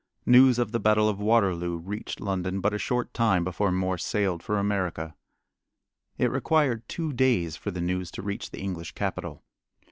News of the battle of Waterloo reached London but a short time before Morse sailed for America. It required two days for the news to reach the English capital.